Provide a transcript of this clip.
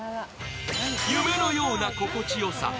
夢のような心地よさ。